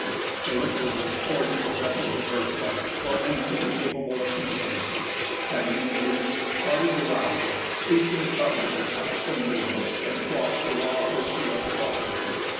The liquor was poured into vessels of birch bark, or any thing capable of containing it; and the Indians, crowding around, scooped it up in their cups and ladles, and quaffed the raw whiskey like water.